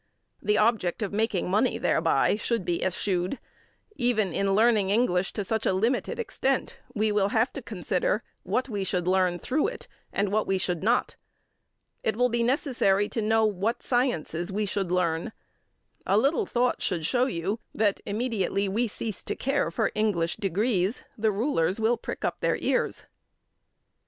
The object of making money thereby should be eschewed. Even in learning English to such a limited extent we will have to consider what we should learn through it and what we should not. It will be necessary to know what sciences we should learn. A little thought should show you that immediately we cease to care for English degrees, the rulers will prick up their ears.